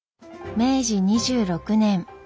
明治２６年。